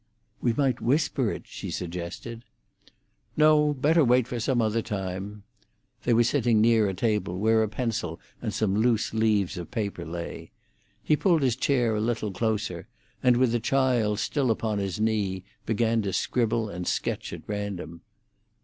"We might whisper it," she suggested. "No; better wait for some other time." They were sitting near a table where a pencil and some loose leaves of paper lay. He pulled his chair a little closer, and, with the child still upon his knee, began to scribble and sketch at random.